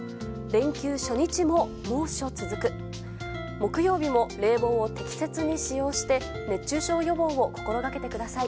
木曜日も冷房を適切に使用して熱中症予防を心がけてください。